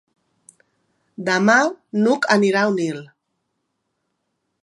Demà n'Hug anirà a Onil.